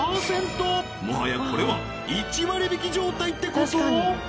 もはやこれは１割引き状態ってこと！？